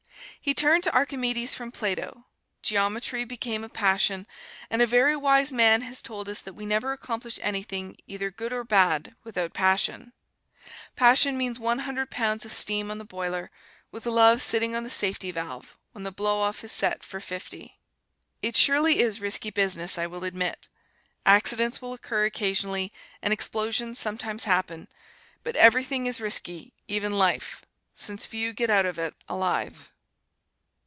He turned to Archimedes from Plato. Geometry became a passion, and a very wise man has told us that we never accomplish anything, either good or bad, without passion. Passion means one hundred pounds of steam on the boiler, with love sitting on the safety valve, when the blow off is set for fifty. It surely is risky business, I will admit; accidents will occur occasionally and explosions sometimes happen, but everything is risky, even life, since few get out of it alive.